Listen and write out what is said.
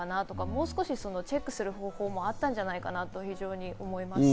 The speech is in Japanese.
もう少しチェックする方法もあったんじゃないかなというふうに思います。